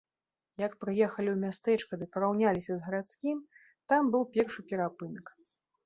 Як прыехалі ў мястэчка ды параўняліся з гарадскім, там быў першы перапынак.